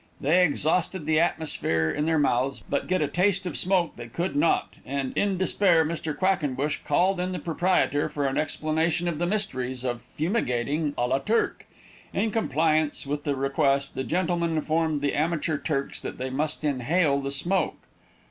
They exhausted the atmosphere in their mouths, but get a taste of smoke they could not, and, in despair, Mr. Quackenbush called in the proprietor for an explanation of the mysteries of fumigating à la Turque. In compliance with the request, the gentleman informed the amateur Turks that they must inhale the smoke.